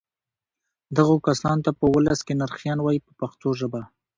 دغو کسانو ته په ولس کې نرخیان وایي په پښتو ژبه.